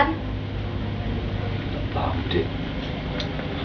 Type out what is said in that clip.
aku gak paham dek